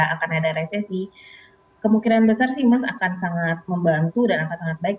akan ada resesi kemungkinan besar sih emas akan sangat membantu dan akan sangat baik